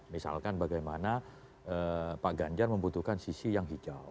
misalkan bagaimana pak ganjar membutuhkan sisi yang hijau